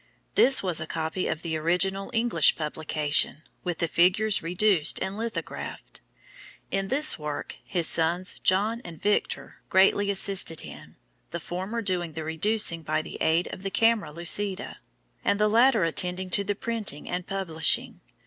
This was a copy of the original English publication, with the figures reduced and lithographed. In this work, his sons, John and Victor, greatly assisted him, the former doing the reducing by the aid of the camera lucida, and the latter attending to the printing and publishing.